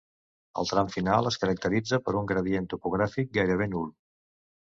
El tram final es caracteritza per un gradient topogràfic gairebé nul.